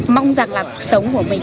mong rằng là cuộc sống của mình